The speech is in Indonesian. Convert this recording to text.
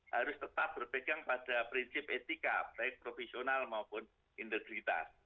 harus tetap berpegang pada prinsip etika baik profesional maupun integritas